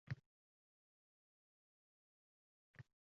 Imkoniyatlaringiz hech narsa bilan cheklanmaydi